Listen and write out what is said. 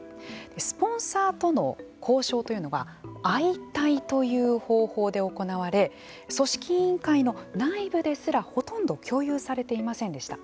スポンサーとの交渉というのは相対という方法で行われ組織委員会の内部ですらほとんど共有されていませんでした。